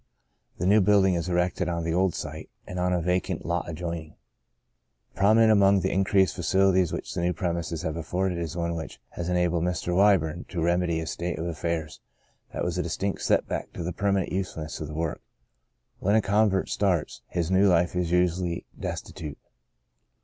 The new building is erected on the old site and on a vacant lot adjoining. Prominent among the increased facilities which the new premises have afforded is one which has enabled Mr. Wyburn to remedy a state of affairs that was a distinct set back to the permanent usefulness of the work. When a convert starts his new life he is usually destitute.